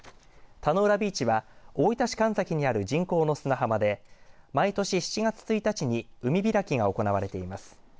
田ノ浦ビーチは大分市神崎にある人工の砂浜で毎年７月１日に海開きが行われています。